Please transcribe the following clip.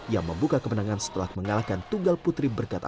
yang membuka kemenangan setelah mengalahkan tunggal putri berkata